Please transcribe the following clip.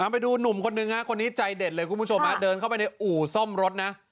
ไปดูหนุ่มคนนึงฮะคนนี้ใจเด็ดเลยคุณผู้ชมเดินเข้าไปในอู่ซ่อมรถนะ